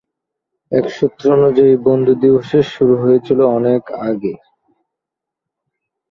এক সূত্র অনুযায়ী, বন্ধু দিবসের শুরু হয়েছিলো অনেক আগে।